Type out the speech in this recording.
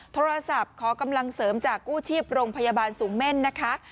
โทรศัพท์ขอกำลังเสริมจากกู้ชีพโรงพยาบาลสูงเม่นนะคะ